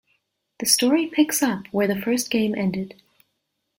The story picks up where the first game ended.